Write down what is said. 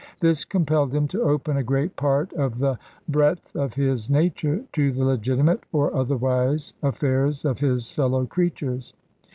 This compelled him to open a great part of the breadth of his nature to the legitimate, or otherwise, affairs of his fellow creatures.